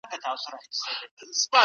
ده د خپل فکر عملي کولو ته ژمن و